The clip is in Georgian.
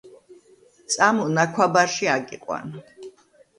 – წამო, ნაქვაბარში აგიყვან.